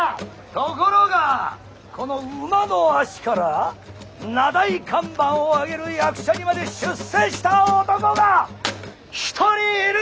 ところがこの馬の足から名題看板を上げる役者にまで出世した男が一人いる。